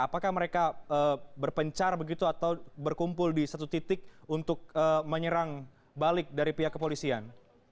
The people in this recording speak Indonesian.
apakah mereka berpencar begitu atau berkumpul di satu titik untuk menyerang balik dari pihak kepolisian